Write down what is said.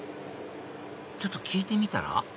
ちょっと聞いてみたら？